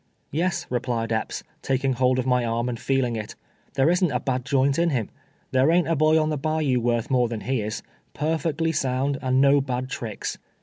" Yes," replied Epps, taking hold of my arm and feeling it, " there isn't a bad joint in him. There ain't a boy on the bayou worth more tlian he is — perfect ly sound, and no bad tricks.